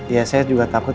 ya saya juga takut